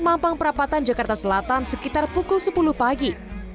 mampang perapatan jakarta selatan sekitar pukul sepuluh pagi